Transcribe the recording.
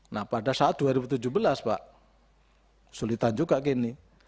nah pada saat dua ribu tujuh belas pak sulitan juga gini